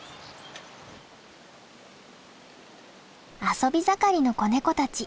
遊び盛りの子ネコたち。